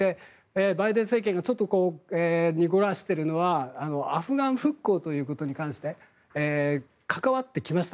バイデン政権がちょっと濁らしているのはアフガン復興ということに関して関わってきました。